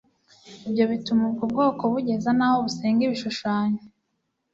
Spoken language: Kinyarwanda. ibyo bituma ubwo bwoko bugeza naho busenga ibishushanyo.